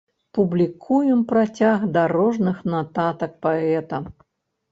Публікуем працяг дарожных нататак паэта.